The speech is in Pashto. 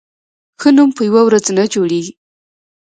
ښه نوم په یوه ورځ نه جوړېږي.